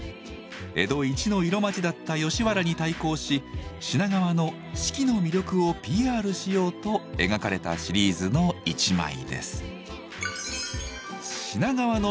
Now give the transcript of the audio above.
江戸一の色街だった吉原に対抗し品川の四季の魅力をＰＲしようと描かれたシリーズの一枚です。